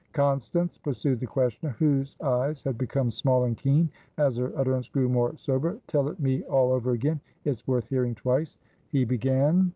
"Constance," pursued the questioner, whose eyes had become small and keen as her utterance grew more sober, "tell it me all over again. It's worth hearing twice. He began?"